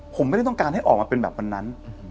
ผมไม่ได้ต้องการให้ออกมาเป็นแบบวันนั้น